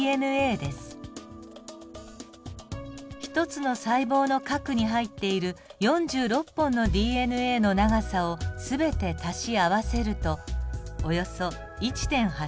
１つの細胞の核に入っている４６本のＤＮＡの長さを全て足し合わせるとおよそ１．８ｍになります。